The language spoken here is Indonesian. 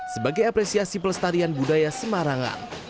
sebagai apresiasi pelestarian budaya semarangan